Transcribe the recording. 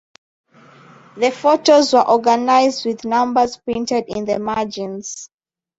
The photos were organized with numbers printed in the margins.